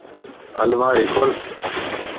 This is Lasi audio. الماري کول